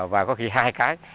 và có khi hai cái